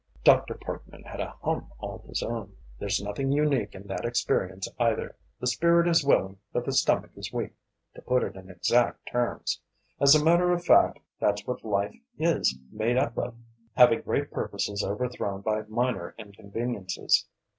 "Hum!" Dr. Parkman had a "hum" all his own. "There's nothing unique in that experience, either. The spirit is willing, but the stomach is weak to put it in exact terms. As a matter of fact, that's what life is made up of having great purposes overthrown by minor inconveniences.